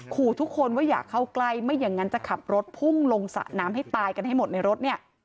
ขู่ทุกคนว่าอย่าเข้าใกล้ไม่อย่างนั้นจะขับรถพุ่งลงสระน้ำให้ตายกันให้หมดในรถเนี่ย